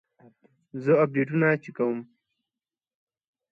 زه د اپ ډیټونه چک کوم.